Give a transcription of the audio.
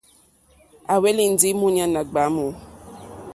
À hwélì ndí múɲánà ɡbwámù.